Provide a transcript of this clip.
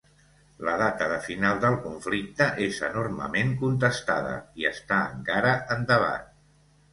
La data de final del conflicte és enormement contestada i està encara en debat.